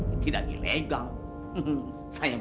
itu soal kecil buat saya